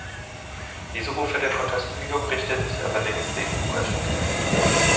Diese Rufe der Protestbewegung richteten sich allerdings gegen Lukaschenka.